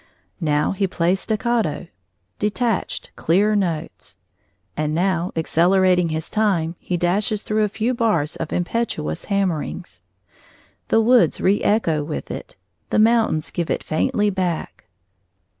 Now he plays staccato, detached, clear notes; and now, accelerating his time, he dashes through a few bars of impetuous hammerings. The woods reëcho with it; the mountains give it faintly back.